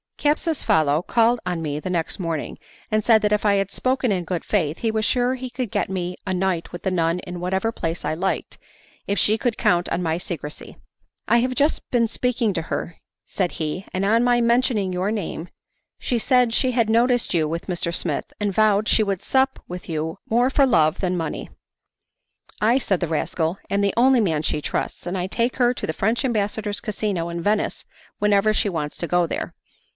Capsucefalo called on me the next morning, and said that if I had spoken in good faith he was sure he could get me a night with the nun in whatever place I liked, if she could count on my secrecy. 'I have just been speaking to her,' said he, 'and on my mentioning your name she said she had noticed you with Mr. Smith, and vowed she would sup with you more for love than money. 'I,' said the rascal, 'am the only man she trusts, and I take her to the French ambassador's casino in Venice whenever she wants to go there.